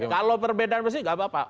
kalau perbedaan musik nggak apa apa